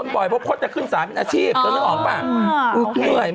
นุ่มแล้วนุ่มล่ะ